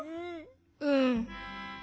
うん。